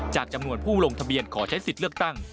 จำนวนผู้ลงทะเบียนขอใช้สิทธิ์เลือกตั้ง